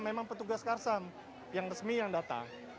memang petugas karsam yang resmi yang datang